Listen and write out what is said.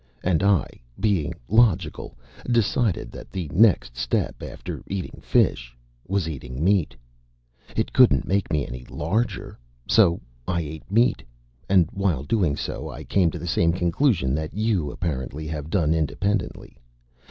And I, being logical, decided that the next step after eating fish was eating meat. It couldn't make me any larger. So, I ate meat. And while doing so, I came to the same conclusion that you, apparently, have done independently.